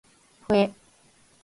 ふぇ